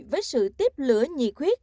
với sự tiếp lửa nhị khuyết